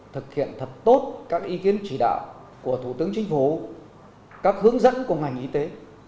thực hiện thật tốt các ý kiến chỉ đạo của thủ tướng chính phủ các hướng dẫn của ngành y tế